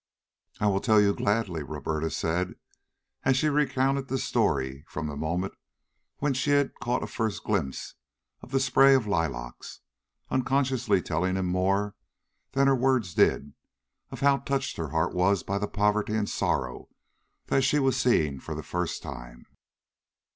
"I will tell you gladly," Roberta said, and she recounted the story from the moment when she had caught a first glimpse of the spray of lilacs, unconsciously telling him more than her words did of how touched her heart was by the poverty and sorrow that she was seeing for the first time.